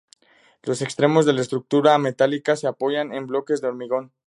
Los extremos de la estructura metálica se apoyan en bloques de hormigón.